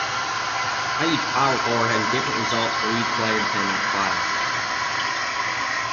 Each Power Core has different results for each player depending on class.